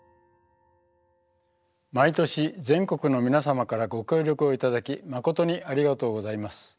毎年全国の皆さまからご協力を頂き誠にありがとうございます。